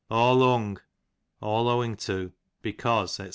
Awlung, all owing to, because, dc.